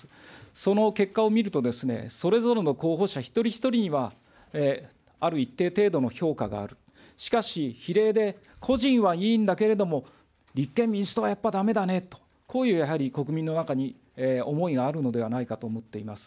その結果を見るとですね、それぞれの候補者一人一人には、ある一定程度の評価がある、しかし、比例で個人はいいんだけれども、立憲民主党はやっぱりだめだねと、こういうやはり国民の中に思いがあるのではないかと思っています。